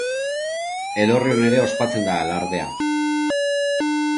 Elorrion ere ospatzen da alardea.